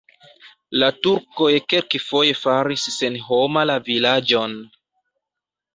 La turkoj kelkfoje faris senhoma la vilaĝon.